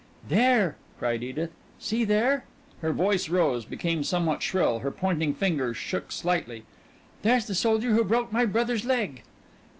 "There," cried Edith. "See there!" Her voice rose, became somewhat shrill. Her pointing finger shook slightly. "There's the soldier who broke my brother's leg."